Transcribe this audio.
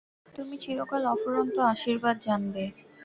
তুমি চিরকাল অফুরন্ত আশীর্বাদ জানবে।